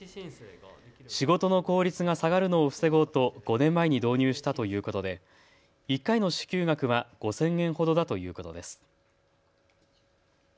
仕事の効率が下がるのを防ごうと５年前に導入したということで１回の支給額は５０００円ほどだということです。